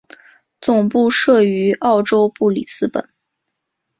总部设于澳洲布里斯本。